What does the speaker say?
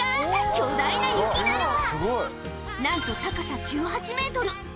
巨大な雪だるま